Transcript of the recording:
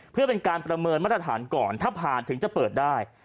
เพื่อเป็นการประเมินมาตรฐานก่อนถ้าผ่านถึงจะเปิดได้